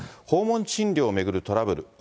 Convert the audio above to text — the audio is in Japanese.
訪問診療を巡るトラブル。